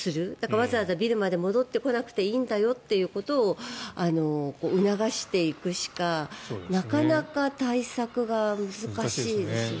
わざわざビルまで戻ってこなくていいんだよということを促していくしかなかなか対策が難しいですよね。